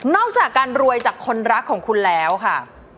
อกจากการรวยจากคนรักของคุณแล้วค่ะ